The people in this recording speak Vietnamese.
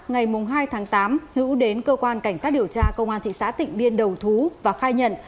ngày hai tháng tám hữu đến cơ quan cảnh sát điều tra công an thị xã tịnh biên đầu thú và khai nhận